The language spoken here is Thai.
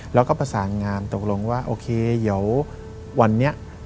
แล้วก็ประสานงามตกลงว่าโอเคเดี๋ยววันนี้